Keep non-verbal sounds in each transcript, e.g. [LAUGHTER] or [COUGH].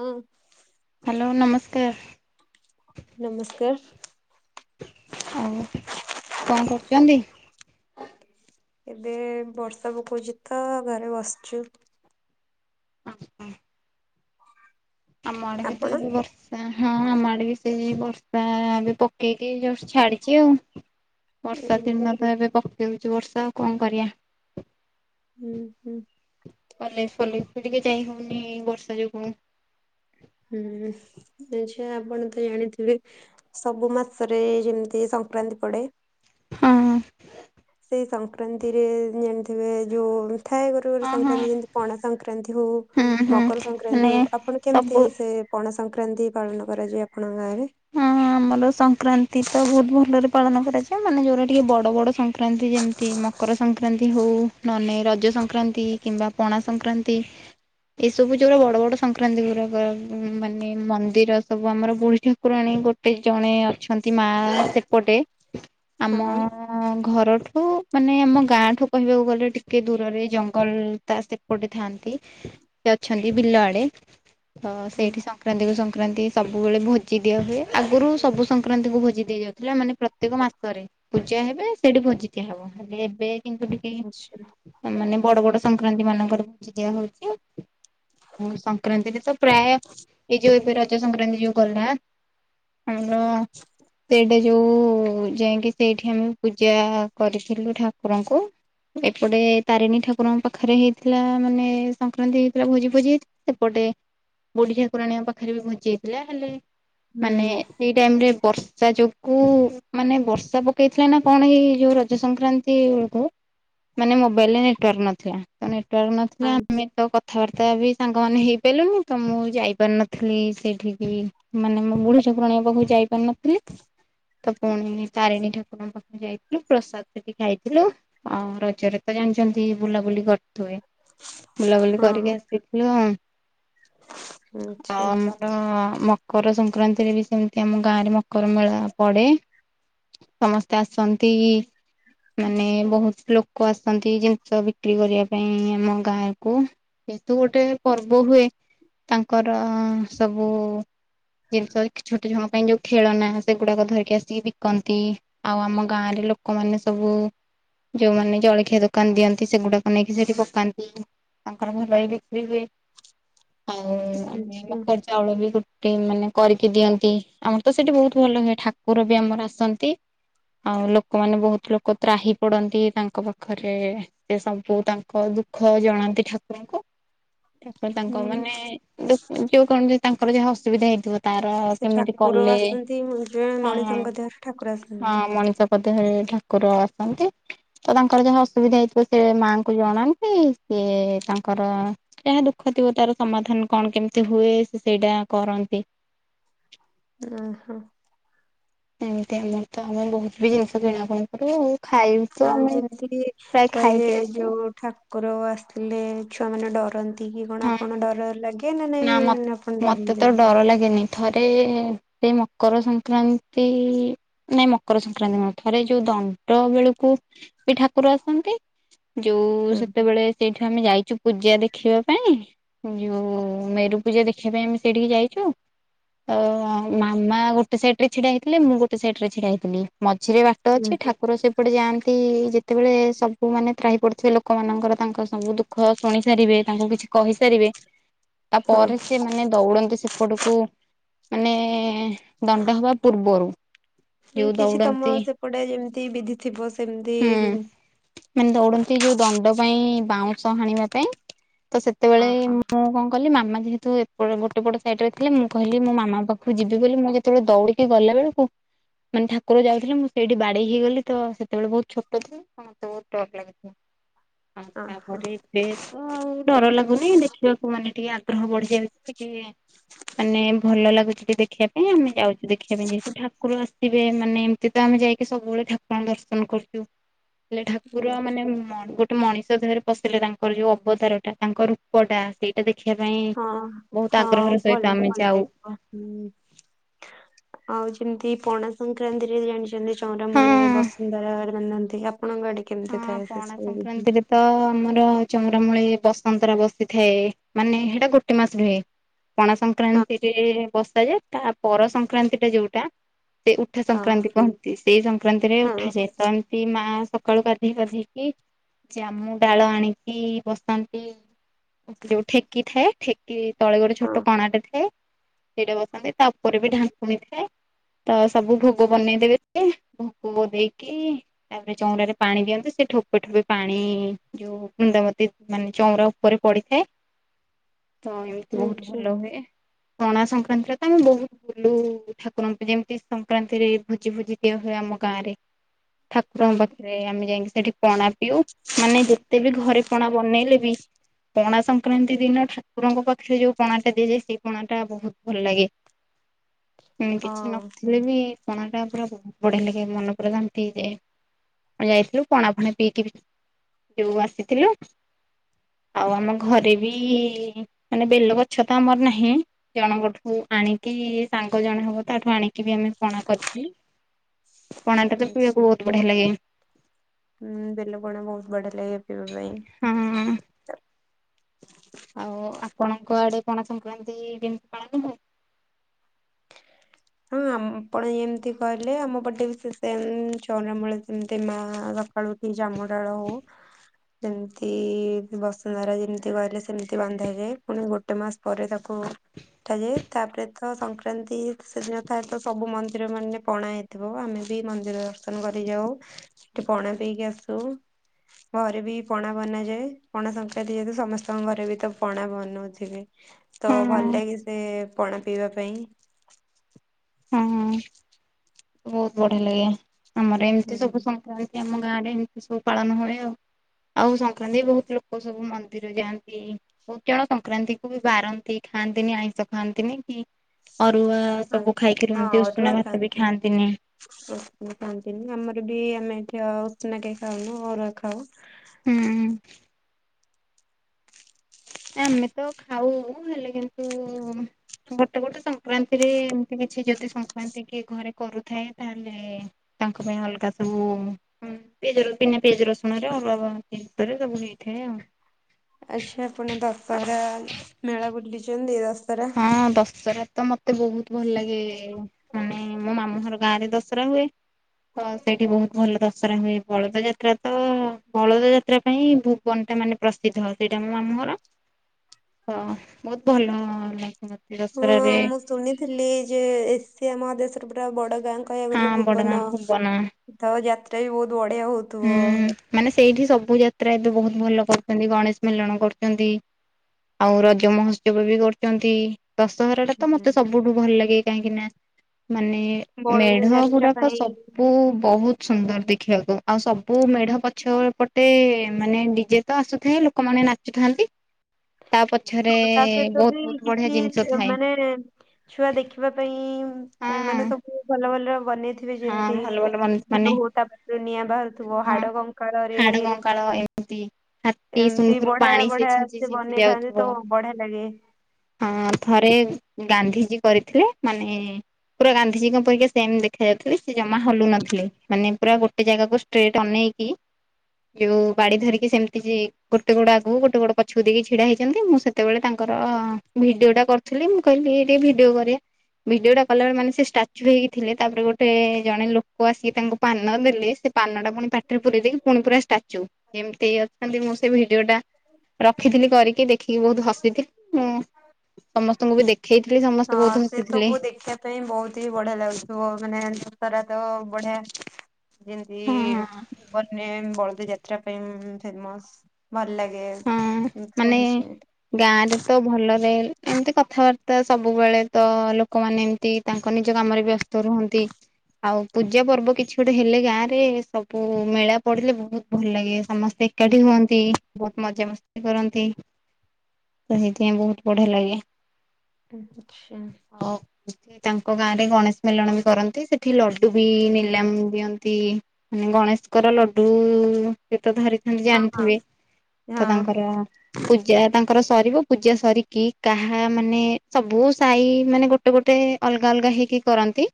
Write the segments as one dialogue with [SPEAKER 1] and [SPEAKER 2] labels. [SPEAKER 1] ହଁ
[SPEAKER 2] ହ୍ୟାଲୋ ନମସ୍କାର।
[SPEAKER 1] ନମସ୍କାର।
[SPEAKER 2] ଆଉ, କଣ କରୁଚନ୍ତି?
[SPEAKER 1] ଏବେ ବର୍ଷା ପକଉଛି ତ ଘରେ ବସ୍ଚୁ।
[SPEAKER 2] [UNINTELLIGIBLE] ଆମ ଆଡ଼େ ବି ତ
[SPEAKER 1] ଆପଣ?
[SPEAKER 2] ଏବେ ବର୍ଷା, ହଁ ଆମ ଆଡ଼େ ବି ସେଇ ବର୍ଷା ଏବେ ପକେଇକି ଯଷ୍ ଛାଡିଚି ଆଉ,
[SPEAKER 1] ହୁଁ
[SPEAKER 2] ବର୍ଷା
[SPEAKER 1] ହୁଁ
[SPEAKER 2] ଦିନ ତ ଏବେ ପକେଉଛି ବର୍ଷା ଆଉ କଣ କରିବା?
[SPEAKER 1] ହୁଁ, ହୁଁ।
[SPEAKER 2] କଲେଜ୍ ଫଲେଜ୍ ବି ଟିକେ ଯାଇ ହଉନି ବର୍ଷା ଯୋଗୁଁ।
[SPEAKER 1] ହୁଁ, ନଚ୍ଛା ଆପଣ ତ ଜାଣିଥିବେ? ସବୁ ମାସରେ ଯେମିତି ସଂକ୍ରାନ୍ତି ପଡେ।
[SPEAKER 2] ହଁ, ହଁ।
[SPEAKER 1] ସେଇ ସଂକ୍ରାନ୍ତିରେ ଜାଣିଥିବେ ଯୋଉ ଥାଏ [UNINTELLIGIBLE] ଗୋଟେ ଗୋଟେ
[SPEAKER 2] ହଁ
[SPEAKER 1] ସଂକ୍ରାନ୍ତି ଯେମିତି ପଣା ସଂକ୍ରାନ୍ତି ହଉ,
[SPEAKER 2] ହୁଁ ହୁଁ
[SPEAKER 1] ମକର
[SPEAKER 2] ମାନେ
[SPEAKER 1] ସଂକ୍ରାନ୍ତି ହଉ, ଆପଣ କେମିତି
[SPEAKER 2] ସବୁ
[SPEAKER 1] ସେ ପଣା ସଂକ୍ରାନ୍ତି ପାଳନ କରାଯାଏ ଆପଣଙ୍କ ଗାଁରେ?
[SPEAKER 2] ହଁ ହଁ, ଆମର ସଂକ୍ରାନ୍ତି ତ ବହୁତ ଭଲରେ ପାଳନ କରାଯାଏ, ମାନେ ଯଉରା ଟିକେ ବଡ଼ ବଡ଼ ସଂ କ୍ରାନ୍ତି ଯେମିତି ମକର ସଂକ୍ରାନ୍ତି ହଉ, ନହନେ ରଜ ସଂକ୍ରାନ୍ତି। କିମ୍ବା ପଣା ସଂକ୍ରାନ୍ତି। ଏଇ ସବୁ ଯୋଉରା ବଡ଼ ବଡ଼ ସଂକ୍ରାନ୍ତି ଗୁରା କର ମାନେ ମନ୍ଦିର ସବୁ ଆମର ବୁଢ଼ୀ ଠା କୁରାଣୀ ଗୋଟେ ଜଣେ ଅଛନ୍ତି ମା ସେପଟେ, ଆମ-
[SPEAKER 1] ହଁ
[SPEAKER 2] ହଁ ଘରଠୁ ମାନେ ଆମ ଗାଁଆଠୁ କହିବାକୁ ଗଲେ ଟିକେ ଦୂରରେ ଜଙ୍ଗଲ୍ ତା ସେ ପଟେ ଥାଆନ୍ତି, ସେ ଅଛନ୍ତି ବିଲ ଆଡ଼େ। ତ
[SPEAKER 1] ହୁଁ
[SPEAKER 2] ସେଇଠି ସଂକ୍ରାନ୍ତିକୁ ସଂକ୍ରାନ୍ତି ସବୁବେଳେ ଭୋ ଜି ଦିଆ ହୁଏ, ଆଗରୁ ସବୁ ସଂକ୍ରାନ୍ତିଙ୍କୁ ଭୋଜି ଦିଆଯାଉଥିଲା ମାନେ ପ୍ରତ୍ୟେକ ମାସରେ। ପୂଜା ହେବେ, ସେଇଠି ଭୋଜି ଦିଆହବ, ହେଲେ ଏବେ କିନ୍ତୁ ଟିକେ
[SPEAKER 1] ଆଚ୍ଛା
[SPEAKER 2] ଆ ମାନେ ବଡ଼ ବଡ଼ ସଂକ୍ରାନ୍ତି ମାନଙ୍କର ଭୋଜି ଦିଆ ହଉଛି। ବହୁତ ସଂକ୍ରାନ୍ତିରେ ତ ପ୍ରାୟ ଏଇ ଯୋଉ ଏବେ ରଜ ସଂକ୍ରାନ୍ତି ଯୋଉ ଗଲା। ହାଲୋ, ସେଇଟା ଯୋଉ ଯାଇଁକି ସେଇଠି ଆମେ ପୂଜା କରିଥିଲୁ ଠାକୁରଙ୍କୁ। ଏପଟେ ତାରିଣୀ ଠାକୁରଙ୍କ ପାଖରେ ହେଇଥିଲା ମାନେ ସଂକ୍ରାନ୍ତି ହେଇଥିଲା ଭୋଜି ଫୋଜି ହେଇଥି ସେପଟେ ବୁଢ଼ୀ ଠାକୁରାଣୀଙ୍କ ପାଖରେ ବି ଭୋଜି ହେଇଥିଲା, ହେଲେ
[SPEAKER 1] ହୁଁ
[SPEAKER 2] ମାନେ ଏଇ ଟାଇମରେ ବର୍ଷା ଯୋଗୁ ମାନେ ବର୍ଷା ପକେଇଥିଲା ନା କଣ ଏଇ ଯୋଉ ରଜ ସଂକ୍ରା ସିଏ ବେଳକୁ ମାନେ ମୋବାଇଲରେ ନେଟୱାର୍କ ନଥିଲା ତ ନେଟୱାର୍କ ନଥିଲା ଆମେ
[SPEAKER 1] ଆଚ୍ଛା
[SPEAKER 2] ତ କ ଥାବାର୍ତ୍ତା ବି ସାଙ୍ଗମାନେ ହେଇପାଇଲୁନି ତ ମୁଁ ଯାଇପାରିନଥିଲି ସେଇଠିକି। ମାନେ ମୁଁ ବୁଢ଼ୀ ଠାକୁରାଣୀକ ପାଖକୁ ଯାଇପାରିନଥିଲି ତ ପୁଣି ତାରିଣୀ ଠାକୁରଙ୍କ ପାଖକୁ ଯାଇ ଥିଲୁ, ପ୍ରସାଦ ସେଠି ଖାଇଥିଲୁ, ଆଉ ରଜରେ ତ ଜାଣିଛନ୍ତି ବୁଲାବୁଲି କର୍ ଥୁବେ, ବୁଲାବୁଲି
[SPEAKER 1] ହଁ
[SPEAKER 2] କରିକି ଆସିଥିଲୁ ଆଉ।
[SPEAKER 1] ଆଚ୍ଛା
[SPEAKER 2] ଆଉ ଆମର ମ୍ କର ସଂକ୍ରାନ୍ତିରେ ବି ସେମିତି ଆମ ଗାଁରେ ମକର ମେଳା ପଡ଼େ। ସମସ୍ତେ ଆସନ୍ତି। ମାନେ ବହୁତ ଲୋକ ଆସନ୍ତି ଜିନିଷ ବିକ୍ରି କରିବା ପାଇଁ ଆମ ଗାଁକୁ। ଯେହେତୁ ଗୋଟେ ପର୍ବ ହୁଏ ତାଙ୍କର ସବୁ ଜିନିଷ ଛୋଟ ଛୁଆଙ୍କ ପାଇଁ ଯୋଉ ଖେଳନା ସେଗୁଡାକ ଧରିକି ଆସିକି ବିକନ୍ତି। ଆଉ ଆମ ଗାଁରେ ଲୋକମାନେ ସବୁ ଯୋଉମାନେ ଜଳଖିଆ ଦୋକାନ ଦିଅନ୍ତି ସେଗୁଡାକୁ ନେଇକି ସେଠି ପକାନ୍ତି। ତାଙ୍କର ଭଲାଇ ବିକ୍ରି ହୁଏ ଆଉ ଆମେ
[SPEAKER 1] ଆଚ୍ଛା
[SPEAKER 2] ମକର ଚାଉଳ ବି କି ମାନେ କରିକି ଦିଅନ୍ତି ଆମର ତ ସେଠି ବହୁତ୍ ଭଲ ହୁଏ ଠାକୁର ବି ଆମର ଆସନ୍ତି। ଆଉ ଲୋକମାନେ ବହୁତ ଲୋକ ତ୍ରାହି ପଡନ୍ତି ତାଙ୍କ ପାଖରେ। ସେ ସବୁ ତାଙ୍କ ଦୁଃଖ ଜଣାନ୍ତି ଠାକୁରଙ୍କୁ। ତାପରେ ତାଙ୍କ
[SPEAKER 1] ହୁଁ
[SPEAKER 2] ମାନେ ଦୁ ଯୋଉ କଣ ଯେ ତାଙ୍କର ଯାହା ଅସୁବିଧା ହେଇଥିବ ତାର
[SPEAKER 1] ସେ
[SPEAKER 2] କେମିତି
[SPEAKER 1] ଠାକୁର
[SPEAKER 2] କଲେ
[SPEAKER 1] ଆସନ୍ତି ଜଣେ
[SPEAKER 2] ହଁ
[SPEAKER 1] ମଣିଷଙ୍କ ଦେହରେ ଠାକୁର ଆସନ୍ତି।
[SPEAKER 2] ହଁ ମଣିଷ ମୋ ଦେହରେ ଠାକୁର ଆସନ୍ତି। ତ ତାଙ୍କର ଯାହା ଅସୁବିଧା ହେଇଥିବ ସେ ମାଆଙ୍କୁ ଜଣାନ୍ତି ସିଏ ତାଙ୍କର ଯାହା ଦୁଃଖ ଥିବ ତାର ସମାଧାନ କଣ କେମିତି ହୁଏ ସେ ସେଇଟା କରନ୍ତି।
[SPEAKER 1] ଉଁ ହୁଁ
[SPEAKER 2] ଏମିତି ଆମର ତ ଆମେ ବହୁତ ବି ଜିନିଷ କିଣାକିଣି କରୁ ଖାଇ
[SPEAKER 1] ଆଉ ଯେମିତିକି କୁହାଯାଏ
[SPEAKER 2] ଆସୁ
[SPEAKER 1] ଯୋଉ ଠାକୁର ଆସିଥିଲେ ଛୁଆମାନେ ଡର ନ୍ତି କଣ
[SPEAKER 2] ହଁ
[SPEAKER 1] ଆପଣ
[SPEAKER 2] ହଁ
[SPEAKER 1] ଡର ଲାଗେ ନା ନାଇଁ ଆପଣ
[SPEAKER 2] ମତେ ତ
[SPEAKER 1] ଡରନ୍ତିନି?
[SPEAKER 2] ଡର ଲାଗେନି। ଥରେ ସେ ମକର ସଂକ୍ରାନ୍ତି ନାଇଁ ମକର ସଂକ୍ରାନ୍ତି ନୁହଁ ଥରେ ଏ ଯୋଉ ଦଣ୍ଡ ବେଳକୁ ବି ଠାକୁର ଆସନ୍ତି। ଯୋଉ
[SPEAKER 1] ହୁଁ।
[SPEAKER 2] ସେତେବେଳେ ସେଇଠୁ ଆମେ ଯାଇଛୁ ପୂଜା ଦେଖିବା ପାଇଁ ଯୋଉ ମେରୁ ପୂଜା ଦେଖିବା ପାଇଁ ଆମେ ସେଇଠିକି ଯାଇଚୁ। ଅ ମାମା ଗୋଟେ ସାଇଟରେ ଛିଡା ହେଇଥିଲେ ମୁଁ ଗୋଟେ ସାଇଟରେ ଛିଡା ହେଇଥିଲି ମଝିରେ ବାଟ
[SPEAKER 1] ହୁଁ
[SPEAKER 2] ଅଛି ଠା ଠାକୁର ସେପଟେ ଯାଆନ୍ତି ଯେତେବେଳେ ସବୁ ମାନେ ତ୍ରାହି ପଡ଼ୁଥିବେ ଲୋକମାନଙ୍କର ତାଙ୍କର ସବୁ ଦୁଃଖ ଶୁଣି ସାରିବେ ତାଙ୍କୁ କିଛି କହିସାରିବେ ତାପରେ ସେ ମାନେ ଦୌଡନ୍ତି ସେ ସେପଟକୁ ମାନେ ଦଣ୍ଡ ହେବା ପୂର୍ବରୁ ଯୋଉ
[SPEAKER 1] କିଛି
[SPEAKER 2] ଦୌଡନ୍ତି
[SPEAKER 1] ତମର ସେପଟେ ଯେମିତି ବିଧି ଥିବ ସେମିତି
[SPEAKER 2] ହୁଁ ମାନେ ଦୌଡନ୍ତି ଯୋଉ ଦଣ୍ଡ ପାଇଁ ବାଉଁଶ ହାଣିବା ପାଇଁ ତ
[SPEAKER 1] ହଁ
[SPEAKER 2] ସେତେବେଳେ
[SPEAKER 1] ହଁ।
[SPEAKER 2] ମୁଁ କଣ କଲି ମାମା ଯେହେତୁ ଏପଟେ ଗୋଟେ ପଟ ସାଇଡରେ ଥିଲା ମୁଁ କିହିଲି ମୋ ମାମାଙ୍କ ପାଖକୁ ଯିବି ବୋଲି ମୁଁ ଯେତେବେଳେ ଦୌଡି କି ଗଲା ବେଳକୁ ମାନେ ଠାକୁର ଯାଉଥିଲେ ମୁଁ ସେଇଠି ବାଡେଇ ହେଇଗଲି ତ ସେତେବେଳେ ବହୁତ୍ ଛୋଟ ଥିଲି ତ ମୋତେ ବହୁତ୍ ଡର ଲାଗିଥିଲା ଆଉ
[SPEAKER 1] ହଁ ହଁ
[SPEAKER 2] ତାପରେ ତ ଆଉ ଡର ଲାଗୁନି ଦେଖିବାକୁ ମାନେ ଟିକେ ଆଗ୍ରହ ବଢି ଯାଉଛି ଟିକେ ମାନେ ଭଲ ଲାଗୁଛି ଟିକେ ଦେଖିବା ପାଇଁ ଆମେ ଯାଉଛୁ ଦେଖିବା ପାଇଁ ଯେହେତୁ ଠାକୁର ଆସି ଥିବେ ମାନେ ଏମିତିତ ଆମେ ଯାଇକି ସବୁବେଳେ ଠାକୁରଙ୍କ ଦର୍ଶନ କରୁଛୁ। ହେଲେ
[SPEAKER 1] ହୁଁ
[SPEAKER 2] ଠାକୁର ମାନେ ଗୋଟେ ମଣିଷ ଦେହରେ ପଶିଲେ ତାଙ୍କର ଯୋଉ ଅବତାରଟା ତାଙ୍କର ରୂପଟା ସେଇଟା ଦେଖିବା ପାଇଁ
[SPEAKER 1] ହଁ
[SPEAKER 2] ବହୁତ
[SPEAKER 1] ହଁ
[SPEAKER 2] ଆଗ୍ରହର
[SPEAKER 1] ଭଲ
[SPEAKER 2] ସହିତ ଆମେ
[SPEAKER 1] ଭଲ
[SPEAKER 2] ଯାଉ।
[SPEAKER 1] ଲାଗିବ ହୁଁ ଆଉ ଯେମିତି ପଣା ସଂକ୍ରାନ୍ତିରେ ଜାଣିଛନ୍ତି
[SPEAKER 2] ହଁ।
[SPEAKER 1] ଚଉଁରାମୂଳେ ବସୁନ୍ଧରା ମାନନ୍ତି ଆପଣଙ୍କ ଆଡେ
[SPEAKER 2] ହଁ
[SPEAKER 1] କେମିତି ଥାଏ ସେ
[SPEAKER 2] ପଣା
[SPEAKER 1] ସବୁ ବିଧି?
[SPEAKER 2] ସଂକ୍ରାନ୍ତିରେ ତ ଆମର ଚଉଁରାମୂଳେ ବସନ୍ତରା ବସିଥାଏ ମାନେ ହେଇଟା ଗୋଟେ ମାସ ରୁହେ। ପଣା ସଂକ୍ରାନ୍ତିରେ ବସାଯାଏ ତାପର ସଂକ୍ରାନ୍ତିଟା ଯୋଉଟା ସେ ଉଠା
[SPEAKER 1] ହଁ
[SPEAKER 2] ସଂକ୍ରାନ୍ତି କୁହନ୍ତି ସେଇ ସଂକ୍ରାନ୍ତିରେ
[SPEAKER 1] ହଁ
[SPEAKER 2] ଉଠାଯାଏ ତ ଏମିତି ମା ସକାଳୁ ଗାଧେଇ ପାଧେଇ କି ଜାମୁ ଡାଳ ଆଣିକି ବସାନ୍ତି। ଯୋଉ ଠେକି ଥାଏ ଠେକି ତଳେ ଗୋଟେ
[SPEAKER 1] ହଁ
[SPEAKER 2] ଛୋଟ କଣାଟେ ଥାଏ। ସେଇଟା ବସାନ୍ତି ତା ଉପରେ ବି ଢାଙ୍କୁଣିଥାଏ। ତ ସବୁ ଭୋଗ ବନେଇଦେବେ ସ ଭୋଗ ଦେଇକି ତାପରେ ଚଉଁରାରେ ପାଣି ଦିଅନ୍ତି ସେ ଠୋପେ ଠୋପେ ପାଣି ଯୋଉ ବୁନ୍ଦାବତୀ ମାନେ ଚଉରା ଉପରେ ପଡିଥାଏ। ତ ଏମିତି ବହୁତ
[SPEAKER 1] ଆଛା
[SPEAKER 2] ଭଲ ହୁଏ। ପଣା ସଂକ୍ରାନ୍ତିରେ ତ ଆମେ ବହୁତ ବୁଲୁ ଠାକୁରଙ୍କୁ ଯେମିତି ସଂକ୍ରାନ୍ତିରେ ଭୋଜି ଭୋଜି ଦିଆ ହୁଏ ଆମ ଗାଁରେ। ଠାକୁରଙ୍କ
[SPEAKER 1] ହଁ
[SPEAKER 2] ପାଖରେ ଆମେ ଯାଇକି ସେଠି ପଣା ପିଉ ମାନେ ଯେତେ ବି ଘରେ ପଣା ବନେଇଲେ ବି ପଣା ସଂକ୍ରାନ୍ତି ଦିନ ଠା ଠାକୁରଙ୍କ ପାଖରେ ଯୋଉ ପଣାଟା ଦିଆଯାଏ ସେଇ ପଣା ଟା ବହୁତ ଭଲ ଲାଗେ। ମାନେ କିଛି
[SPEAKER 1] ହଁ
[SPEAKER 2] ନଥିଲେ ବି ପଣାଟା ପୁରା ବହୁତ ବଢିଆ ଲାଗେ ମନ ପୁରା ଶାନ୍ତି ହେଇଯାଏ। ଯାଇଥିଲୁ ପଣା ଫଣା ପିଇକି ବି ଆମେ ଯୋଉ ଆସିଥିଲୁ। ଆଉ ଆମ ଘରେ ବି ମାନେ ବେଲ ଗଛ ତ ଆମର ନାହିଁ। ଜଣଙ୍କଠୁ ଆଣିକି ସାଙ୍ଗ ଜଣ ହବ ତାଠୁ ଆଣିକି ସେଥିପାଇଁ ଆମେ ପଣା କରିଥିଲ ପଣାଟା ତ ପିଇବାକୁ ବହୁତ ବଢିଆ ଲାଗେ।
[SPEAKER 1] ହୁଁ ବେଲ ପଣା ବହୁତ ବଢିଆ ଲାଗେ ପିଇବା ପାଇଁ।
[SPEAKER 2] ହୁଁ। ଆଉ ଆପଣଙ୍କ ଆଡେ ପଣା ସଂକ୍ରାନ୍ତି କେମିତି ପାଳନ ହୁଏ।
[SPEAKER 1] ହଁ ଆପଣ ଏମିତି କହିଲେ ଆମ ପଟେ ବି ସେ ସେମ୍ ଚାଉରା ମୂଳେ ସେମିତି ମା ର ହଳୁତି ଜାମୁଡାଳ ହଉ। ଯେମିତି ବସୁନ୍ଧରା ଯେମିତି କହିଲେ ସେମିତି ବାନ୍ଧାାଯାଏ ପୁଣି ଗୋ ଗୋଟେ ମାସ ପରେ ତାକୁ ଉଠାଯାଏ ତାପରେ ତ ସଂକ୍ରାନ୍ତି ସେଦିନ ଥାଏ ତ ସବୁ ମନ୍ଦିର ମାନେ ପଣା ହେଇଥିବ ଆମେ ବି ମନ୍ଦିର ଦର୍ଶନ କରି ଯାଉ। ସେଠି ପଣା ଦେଇକି ଆସୁ। ଘରେ ବି ପଣା ବନାଯାଏ ପଣା ସଂକ୍ରାନ୍ତି ଯେହେତୁ ସମସ୍ତଙ୍କ ଘରେ ବି ତ ପଣା ବନଉଥିବେ। ତ ଭଲ ଲାଗେ ସେ ପଣା ପିଇବା ପାଇଁ।
[SPEAKER 2] ହଁ ବହୁତ ବଢିଆ ଲାଗେ। ଆମର ଏମିତି ସବୁ
[SPEAKER 1] ହୁଁ
[SPEAKER 2] ସଂକ୍ରାନ୍ତି ଆମ ଗାଁରେ ଏମିତି ସବୁ ପାଳନ ହୁଏ ଆଉ ଆଉ ସଂକ୍ରାନ୍ତି ବହୁତ ଲୋକ ସବୁ ମନ୍ଦିର ଯାଆନ୍ତି। ବହୁତ ଜଣ ସଂକ୍ରାନ୍ତି କୁ ବି ବାରନ୍ତି, ଖାଆନ୍ତିନି ଆଇଁଷ ଖାଆନ୍ତିନି କି ଅରୁଆ
[SPEAKER 1] ଆଉ
[SPEAKER 2] ସବୁ ଖାଇକି
[SPEAKER 1] ହଁ
[SPEAKER 2] ରୁହନ୍ତି
[SPEAKER 1] ଅରୁଆ
[SPEAKER 2] ଉଷୁନା ଭାତ ବି
[SPEAKER 1] ଖାଆନ୍ତି।
[SPEAKER 2] ଖାଆନ୍ତିନି।
[SPEAKER 1] ଉଷୁନା ଖାଆନ୍ତିନି ଆମର ବି ଆମେ ଏଠି ଉଷୁନା କେହି ଖାଉନୁ ଅରୁଆ ଖାଉ।
[SPEAKER 2] ହୁଁ। ହୁଁ। ଆମେ ତ ଖାଉ ହେଲେ କିନ୍ତୁ ଗୋଟେ ଗୋଟେ ସଂକ୍ରାନ୍ତି ରେ ଏମିତି କିଛି ଯଦି ସଂକ୍ରାନ୍ତି କିଏ ଘରେ କରୁଥାଏ ତାହେଲେ ତାଙ୍କ ପାଇଁ ଅଲଗା ସବୁ ହଁ ପିଆଜ ର ପିଆଜ ରସୁଣରେ ଅରୁଆ ଭିତରେ ସବୁ ହେଇଥାଏ ଆଉ।
[SPEAKER 1] ଆଛା ଆପଣ ଦଶହରା ମେଳା ବୁଲିଛନ୍ତି ଦସ
[SPEAKER 2] ହଁ ଦଶହରା ତ ମତେ ବହୁତ ଭଲ ଲାଗେ ମାନେ ମୋ ମାମୁଁ ଘର ଗାଁ ରେ ଦଶ ତ ହୁଏ ତ ସେଇଠି ବହୁତ ଭଲ ଦଶ ଦଶରା ହୁଏ ବଳଦ ଯାତ୍ରା ତ ବଳଦ ଯାତ୍ରା ପାଇଁ ଭୁବନଟା ମାନେ ପ୍ରସିଦ୍ଧ ସେଇଟା ମୋ ମାମୁଁ ଘର। ହଁ ବହୁତ ଭଲ ଲାଗେ ମତେ।
[SPEAKER 1] ହଁ
[SPEAKER 2] ଦଶହରାରେ
[SPEAKER 1] ମୁଁ ଶୁଣିଥିଲି ଯେ ଏସିଆ ମହାଦେଶର ପୁରା ବଡ ଗାଁ କ କହିବାକୁ
[SPEAKER 2] ହଁ
[SPEAKER 1] ଗଲେ
[SPEAKER 2] ବଡ ମା
[SPEAKER 1] ଭୁବନ
[SPEAKER 2] ଭୁବନ
[SPEAKER 1] ତ ଯାତ୍ରା ବି ବହୁତ ବଢିଆ ହଉଥିବ।
[SPEAKER 2] ହୁଁ ମାନେ ସେଇଠି ସବୁ ଯାତ୍ରା ଏବେ ବହୁତ ଭଲ କରୁଛନ୍ତି ଗଣେଶ ମଲଣ କରୁଛନ୍ତି। ଆଉ ରଜ ମହୋତ୍ସବ ବି କରୁଛନ୍ତି। ଦଶହରା ଟା ତ
[SPEAKER 1] ହୁଁ
[SPEAKER 2] ମୋତେ ସବୁଠୁ ଭଲ ଲାଗେ କାହିଁକି ନା ମାନେ
[SPEAKER 1] ବଳଦ
[SPEAKER 2] ମେଢ
[SPEAKER 1] ଯାତ୍ରା
[SPEAKER 2] ଗୁଡାକ
[SPEAKER 1] ପାଇଁ
[SPEAKER 2] ସବୁ
[SPEAKER 1] ବି
[SPEAKER 2] ବହୁତ ସୁନ୍ଦର ଦେଖିବାକୁ। ଆଉ ସବୁ ମେଢ ପଛ ପଟେ ମାନେ ଡିଜେ ତ ଆସୁଥାଏ ଲୋକମାନେ ନାଚୁଥାନ୍ତି। ତା ପଛରେ
[SPEAKER 1] ହଁ ତା ସହିତ
[SPEAKER 2] ବହୁତ
[SPEAKER 1] ବି
[SPEAKER 2] ବହୁତ ବଢିଆ
[SPEAKER 1] କିଛି
[SPEAKER 2] ଜିନିଷ
[SPEAKER 1] ଅ,
[SPEAKER 2] ଥାଏ
[SPEAKER 1] ମାନେ ଛୁଆ ଦେଖିବା ପାଇଁ ଏ
[SPEAKER 2] ହଁ।
[SPEAKER 1] ମାନେ ସବୁ ଭଲ ଭଲ ବନେଇ ଥିବେ
[SPEAKER 2] ହଁ
[SPEAKER 1] ଯେମିତି
[SPEAKER 2] ଭଲ ଭଲ ମାନେ
[SPEAKER 1] [UNINTELLIGIBLE] ତା ପାଟିରେ ନିଆଁ ବାହାରୁଥିବ।
[SPEAKER 2] ହଁ
[SPEAKER 1] ହାଡ କଙ୍କାଳରେ
[SPEAKER 2] ହାଡ
[SPEAKER 1] ଇଏ
[SPEAKER 2] କଙ୍କାଳ ଏମିତି ହାତୀ
[SPEAKER 1] ଏମତି
[SPEAKER 2] ଶୁଣ୍ଢରୁ
[SPEAKER 1] ବଢିଆ
[SPEAKER 2] ପାଣି
[SPEAKER 1] ବଢିଆ
[SPEAKER 2] ଛିଞ୍ଚି
[SPEAKER 1] ସେ
[SPEAKER 2] ଛିଞ୍ଚି
[SPEAKER 1] ବନେଇଥାନ୍ତି
[SPEAKER 2] ଯାଉଥିବ।
[SPEAKER 1] ତ ବଢିଆ ଲାଗେ।
[SPEAKER 2] ହଁ ଥରେ ଗାନ୍ଧିଜୀ କରିଥିଲେ ମାନେ ପୁରା ଗାନ୍ଧିଜୀଙ୍କ ପରିକା ସେମ୍ ଦେ ଖାଥିଲେ ସେ ଜମା ହଲୁ ନଥିଲେ, ମାନେ ପୁରା ଗୋ ଟେ ଜାଗାକୁ ଷ୍ଟ୍ରେଟ୍ ଅନେଇକି ଯୋଉ ବାଡି ଧରିକି ସେମିତି ସେ ଗୋଟେ ଗୋଡ ଆଗକୁ ଗୋଟେ ଗୋଡ ପଛକୁ ଦେଇକି ଛିଡା ହେଇ ଚନ୍ତି ମୁଁ ସେତେବେଳେ ତାଙ୍କର ଭିଡିଓ ଟା କରୁଥିଲି ମୁଁ କହିଲି [UNINTELLIGIBLE] ଟିକେ ଭିଡିଓ କରିବା। ଭିଡ଼ିଓ ଟା କଲାବେଳେ ମାନେ ସେ ଷ୍ଟାଚୁ ହେଇକି ଥିଲେ। ତାପରେ ଗୋଟେ ଜଣେ ଲୋକ ଆସିକି ତାଙ୍କୁ ପାନ ଦେଲେ ସେ ପାନଟା ପୁଣି ପାଟିରେ ପୁରେଇ ଦେଇକି ପୁଣି ପୁରା ଷ୍ଟାଚୁ। ଏମିତି ଅଛନ୍ତି ମୁଁ ସେ ଭିଡିଓ ଟା ରଖିଥିଲି କରିକି ଦେଖିକି ବହୁତ ହସିଥିଲ୍ ମୁଁ ସମସ୍ତଙ୍କୁ ବି ଦେ ଖେଇଥିଲି ସମସ୍ତେ
[SPEAKER 1] ହଁ
[SPEAKER 2] ବହୁତ
[SPEAKER 1] ସେ
[SPEAKER 2] ହସି ଥିଲେ।
[SPEAKER 1] ସବୁ [UNINTELLIGIBLE] ବହୁତ ହି ବଢିଆ ଲାଗୁଥିବ ମାନେ ଦଶରା ତ ବଢିଆ ଯେମିତି
[SPEAKER 2] ହଁ।
[SPEAKER 1] ବନେ ବଳଦ ଯାତ୍ରା ପାଇଁ ଉଁ, ଫେମସ୍। ଭଲ ଲାଗେ ମୁଁ ଶୁଣିଛି।
[SPEAKER 2] ଗାଁ ରେ ତ ଭଲରେ ଏମତି କଥାବାର୍ତ୍ତା ସବୁବେଳେ ତ ଲୋକମାନେ ଏମ ତି ତାଙ୍କ ନିଜ କାମରେ ବ୍ୟସ୍ତ ରୁହନ୍ତି। ଆଉ ପୂଜା ପର୍ବ କିଛି ଗୋଟେ ହେଲେ ଗାଁ ରେ ସବୁ ମେଳା ପଡିଲେ ବହୁତ ଭଲ ଲାଗେ। ସମସ୍ତେ ଏକାଠି ହୁଅନ୍ତି। ବହୁତ ମଜା ମସ୍ତି କରନ୍ତି ତ ସେଇଥିପାଇଁ ବହୁତ ବଢିଆ ଲାଗେ।
[SPEAKER 1] [UNINTELLIGIBLE]
[SPEAKER 2] ଓ [UNINTELLIGIBLE] ତାଙ୍କ ଗାଁରେ ଗଣେଶ ମେଲଣ ବି କରନ୍ତି ସେଠି ଲଡୁ ବି ନିଲାମ ଦିଅନ୍ ତି ମାନେ ଗଣେଶଙ୍କର ଲଡୁ ସିଏ ତ ଧରିଥାନ୍ତି
[SPEAKER 1] ହଁ ହଁ
[SPEAKER 2] ଜାଣିଥିବେ। ତ
[SPEAKER 1] ହଁ।
[SPEAKER 2] ତାଙ୍କର ପୂଜା ତାଙ୍କର ସରିବ, ପୂଜା ସରିକି କାହା ମାନେ ସବୁ ସାହି ମାନେ ଗୋ ଟେ ଗୋଟେ ଅଲଗା ଅଲଗା ହେଇକି କରନ୍ତି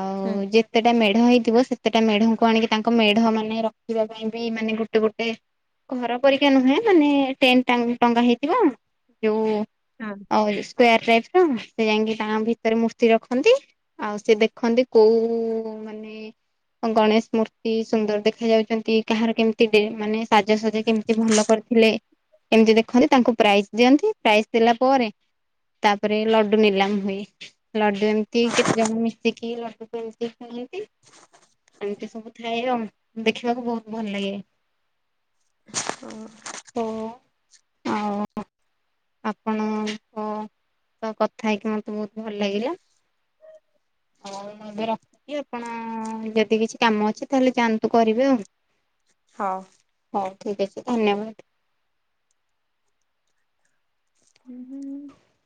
[SPEAKER 2] ଆଉ
[SPEAKER 1] ହୁଁ
[SPEAKER 2] ଯେତେଟା ମେ ଢ ହେଇଥିବ ସେତେଟା ମେଢଙ୍କୁ ଆଣିକି ତାଙ୍କ ମେଢ ମାନେ ରଖିବା ପାଇଁ ବି ମାନେ ଗୋଟେ ଗୋଟେ ଘର ପରୀକ୍ଷା ନୁହେଁ ମାନେ ଟେନ୍ ଟା- ଟଙ୍ଗା ହେଇଥିବ ଯୋଉ
[SPEAKER 1] ହଁ।
[SPEAKER 2] ଆଉ [UNINTELLIGIBLE] ସ୍କ୍ୱାର ଟାଇପ୍ ର ସେ ଯାଇକି ତାଙ୍କ ଭିତରେ ମୂର୍ତ୍ତି ରଖନ୍ତି। ଆଉ ସେ ଦେଖନ୍ତି କୋଉ ମାନେ ଏ ଓ ଗଣେଶ ମୂର୍ତ୍ତି ସୁନ୍ଦର ଦେଖା ଯାଉଛନ୍ତି କାହାର କେମିତି ଡେ- ମାନେ ସାଜସଜା କେମିତି ଭଲ କରିଥିଲେ ଏମିତି ଦେଖନ୍ତି ତାଙ୍କୁ ପ୍ରାଇଜ୍ ଦିଅନ୍ତି। ପ୍ରାଇଜ୍ ଦେଲା ପରେ ତାପରେ ଲଡୁ ନିଲାମ ହୁଏ। ଲଡୁ ଏମିତି
[SPEAKER 1] ହଁ
[SPEAKER 2] କେତେ ଜଣ ମିଶିକି ଲଡୁ ଏମତି କରନ୍ତି ଏମିତି ସବୁ ଥାଏ ଆଉ ଦେଖିବାକୁ ବହୁତ ଭଲ ଲାଗେ।
[SPEAKER 1] ଓ
[SPEAKER 2] ଓହୋ, ଆଉ ଆପଣଙ୍କ ତ କଥା ହେଇକି ମୋତେ ବହୁତ ଭଲ ଲାଗିଲା। ଓ ଏବେ ରଖୁଛି ଆପଣ ଯଦି କିଛି କାମ ଅଛି ତାହେଲେ ଯାଆନ୍ତୁ କରିବେ ଆଉ।
[SPEAKER 1] ହଁ।
[SPEAKER 2] ହଉ ଠିକ ଅଛି ଧନ୍ୟବାଦ।
[SPEAKER 1] ହୁଁ, ହୁଁ, ହୁଁ।